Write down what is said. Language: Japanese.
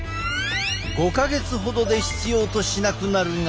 ５か月ほどで必要としなくなるが。